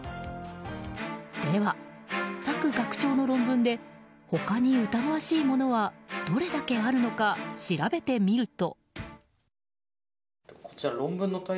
では、朔学長の論文で他に疑わしいものはどれだけあるのか調べてみると。